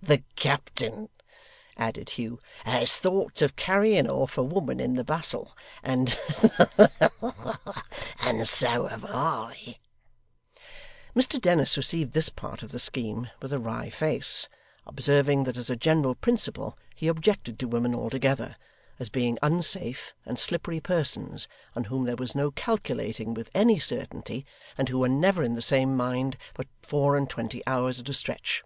The captain,' added Hugh, 'has thoughts of carrying off a woman in the bustle, and ha ha ha! and so have I!' Mr Dennis received this part of the scheme with a wry face, observing that as a general principle he objected to women altogether, as being unsafe and slippery persons on whom there was no calculating with any certainty, and who were never in the same mind for four and twenty hours at a stretch.